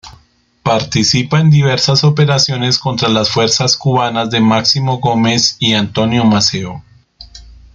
Participa en diversas operaciones contra las fuerzas cubanas de Máximo Gómez y Antonio Maceo.